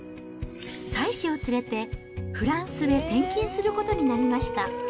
妻子を連れて、フランスへ転勤することになりました。